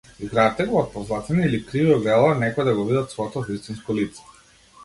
Изградете го од позлатени или криви огледала, некои да го видат своето вистинско лице.